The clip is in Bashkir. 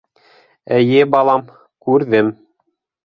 Эйе, балам... күрҙем.